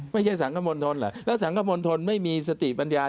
ไม่ใช่สังคมพลทนหรอกแล้วสังคมพลทนไม่มีสติปัญญา